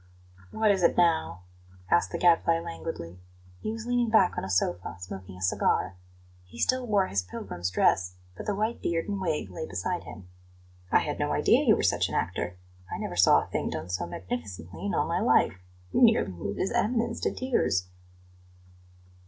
"What is it now?" asked the Gadfly languidly. He was leaning back on a sofa, smoking a cigar. He still wore his pilgrim's dress, but the white beard and wig lay beside him. "I had no idea you were such an actor. I never saw a thing done so magnificently in my life. You nearly moved His Eminence to tears."